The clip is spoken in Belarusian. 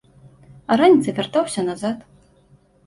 А раніцай вяртаўся назад.